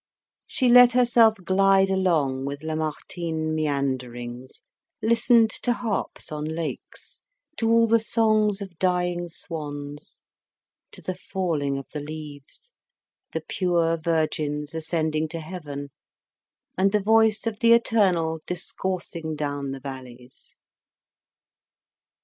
She let herself glide along with Lamartine meanderings, listened to harps on lakes, to all the songs of dying swans, to the falling of the leaves, the pure virgins ascending to heaven, and the voice of the Eternal discoursing down the valleys.